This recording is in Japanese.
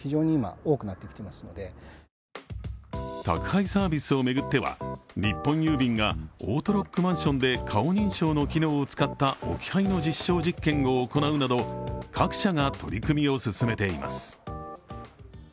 宅配サービスを巡っては、日本郵便がオートロックマンションで顔認証の機能を使った置き配の実証実験を行うなど各社が取り組みを進めています。